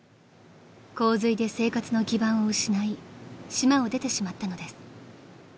［洪水で生活の基盤を失い島を出てしまったのです］